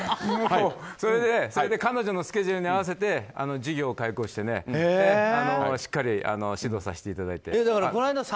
それで、彼女のスケジュールに合わせて授業を開講してしっかり指導させていただいて。